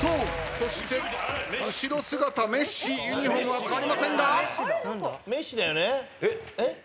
そして後ろ姿メッシユニホームは変わりませんが。